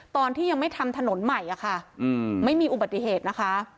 ตอนที่ยังไม่ทำถนนใหม่อะค่ะไม่มีอุบัติเหตุนะคะ